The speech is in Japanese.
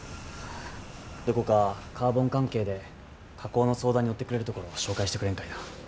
どこかカーボン関係で加工の相談に乗ってくれるところを紹介してくれんかいな。